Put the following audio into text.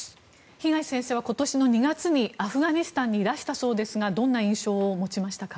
東先生は今年２月にアフガニスタンにいらしたそうですがどんな印象を持ちましたか？